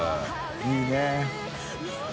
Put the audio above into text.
いいね。